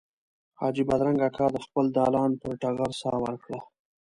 حاجي بادرنګ اکا د خپل دالان پر ټغر ساه ورکړه.